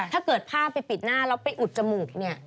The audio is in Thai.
ถ้าเกิดผ้าไปปิดหน้าแล้วไปอุดจมูกเนี่ย